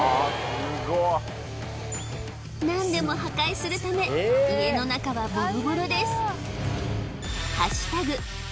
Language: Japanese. すご何でも破壊するため家の中はボロボロです